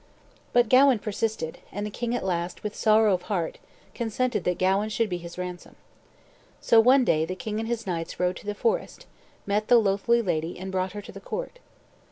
But Gawain persisted, and the king at last, with sorrow of heart, consented that Gawain should be his ransom. So one day the king and his knights rode to the forest, met the loathly lady, and brought her to the court.